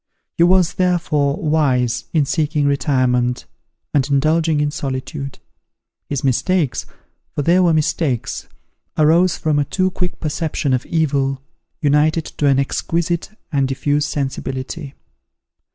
He was, therefore, wise, in seeking retirement, and indulging in solitude. His mistakes, for they were mistakes, arose from a too quick perception of evil, united to an exquisite and diffuse sensibility.